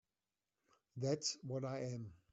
That's what I am.